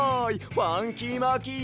ファンキーマーキー